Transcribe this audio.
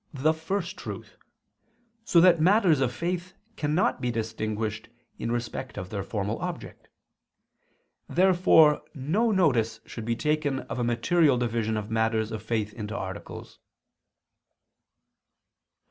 the First Truth, so that matters of faith cannot be distinguished in respect of their formal object. Therefore no notice should be taken of a material division of matters of faith into articles. Obj.